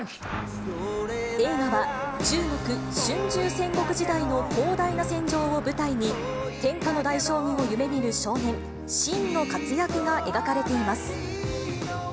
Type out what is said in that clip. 映画は、中国・春秋戦国時代の広大な戦場を舞台に天下の大将軍を夢みる少年、信の活躍が描かれています。